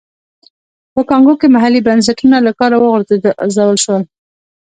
په کانګو کې محلي بنسټونه له کاره وغورځول شول.